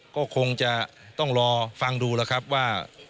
ก็คงจะต้องรอฟังดูแล้วครับว่า